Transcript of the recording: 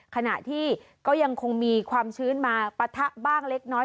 ขณะที่ก็ยังคงมีความชื้นมาปะทะบ้างเล็กน้อย